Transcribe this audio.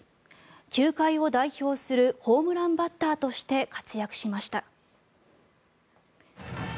球界を代表するホームランバッターとして活躍しました。